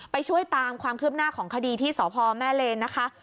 ไปช่วยตามความคืบหน้าของคดีที่สพแม่เลนนะคะ